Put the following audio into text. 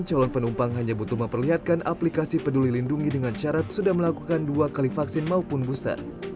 calon penumpang hanya butuh memperlihatkan aplikasi peduli lindungi dengan syarat sudah melakukan dua kali vaksin maupun booster